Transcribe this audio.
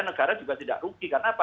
negara juga tidak rugi karena apa